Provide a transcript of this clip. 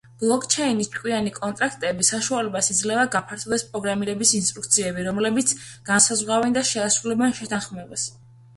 ბლოკჩეინის ჭკვიანი კონტრაქტები საშუალებას იძლევა, გაფართოვდეს პროგრამირების ინსტრუქციები, რომლებიც განსაზღვრავენ და შეასრულებენ შეთანხმებას.